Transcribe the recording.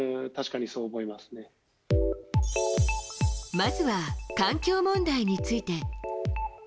まずは環境問題について。